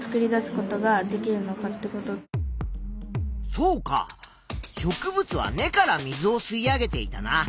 そうか植物は根から水をすい上げていたな。